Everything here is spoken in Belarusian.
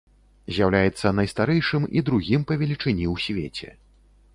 З'яўляецца найстарэйшым і другім па велічыні ў свеце.